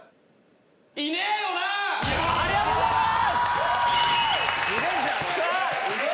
・ありがとうございます！